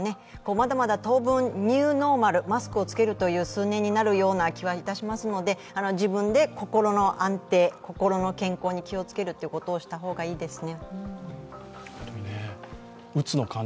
まだまだ当分ニューノーマル、マスクをつけるという数年になるような気はいたしますので自分で心の安定、心の健康に気をつけることをした方がいいですね。